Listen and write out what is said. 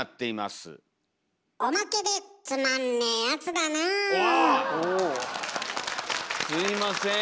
すみません。